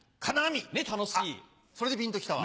あっそれでピンときたわ。